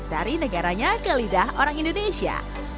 dari negaranya ke lidah orang indonesia